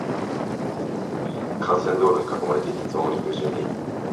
幹線道路に囲まれていて、騒音に苦しんでいる。